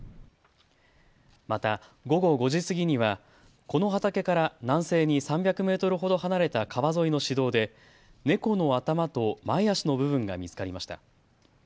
また午後５時過ぎにはこの畑から南西に３００メートルほど離れた川沿いの市道で猫の頭と前足の部分が見つかりました。